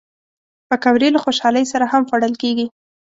پکورې له خوشحالۍ سره هم خوړل کېږي